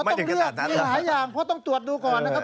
มีหลายอย่างเพราะต้องตรวจดูก่อนนะครับ